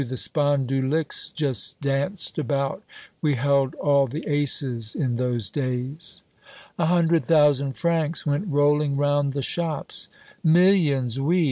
The spondu licks just danced about. We held all the aces in those days." "A hundred thousand francs went rolling round the shops." "Millions, oui.